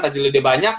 tajilnya dia banyak